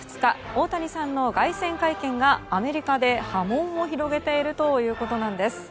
大谷さんの凱旋会見がアメリカで波紋を広げているということなんです。